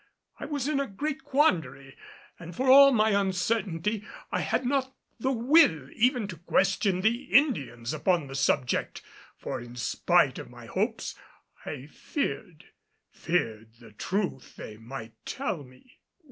I was in a great quandary, and for all my uncertainty I had not the will even to question the Indians upon the subject, for in spite of my hopes I feared feared the truth they might tell me.